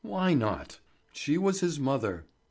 Why not? She was his mother.